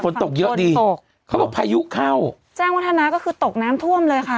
ฝนตกเยอะดีตกเขาบอกพายุเข้าแจ้งวัฒนาก็คือตกน้ำท่วมเลยค่ะ